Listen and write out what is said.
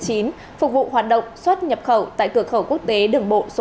phục vụ hoạt động xuất nhập khẩu tại cửa khẩu quốc tế đường bộ số một